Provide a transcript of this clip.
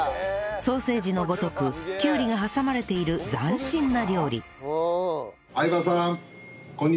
ソーセージのごとくきゅうりが挟まれている斬新な料理